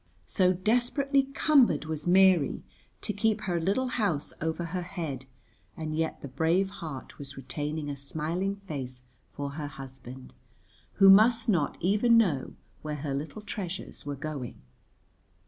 So desperately cumbered was Mary to keep her little house over her head, and yet the brave heart was retaining a smiling face for her husband, who must not even know where her little treasures were going.